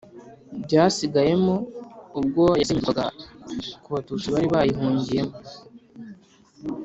byasigayemo ubwo yasenyerwaga ku batutsi bari bayihungiyemo